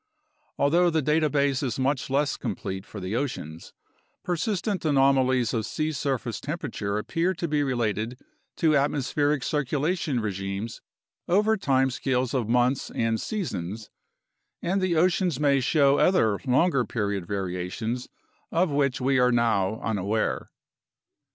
Although the data base is much less complete for the oceans, persistent anomalies of sea surface temperature appear to be related to atmospheric circulation regimes over time scales of months and seasons, and the oceans may show other longer period variations of which we are now unaware.